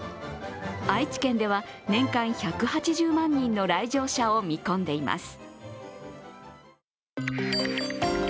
愛知県では年間１８０万人の来場者を見込んでいます。